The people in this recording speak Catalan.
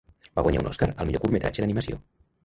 Va guanyar un Oscar al millor curtmetratge d'animació.